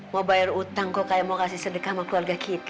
mau bayar utang kok kayak mau kasih sedekah sama keluarga kita